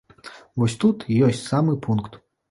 Вось тут і ёсць самы пункт.